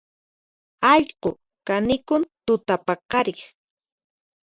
Allqu kanikun tutapaqariq